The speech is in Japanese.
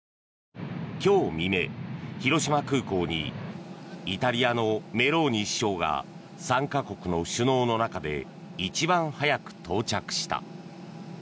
今日未明、広島空港にイタリアのメローニ首相が参加国の首脳の中で一番早く到着した。